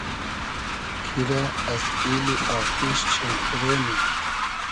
کی رۂ از ایلی آتیش چیم پورۉ نی